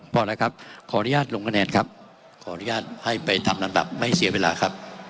พอแล้วครับขออนุญาตลงคะแนนครับขออนุญาตให้ไปทำนั้นแบบไม่เสียเวลาครับ